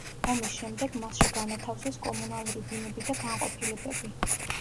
ომის შემდეგ მასში განათავსეს კომუნალური ბინები და განყოფილებები.